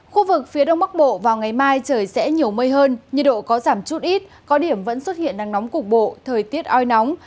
khu vực phía đông bắc bộ vào ngày mai trời sẽ nhiều mây hơn nhiệt độ có giảm chút ít có điểm vẫn xuất hiện nắng nóng cục bộ thời tiết oi nóng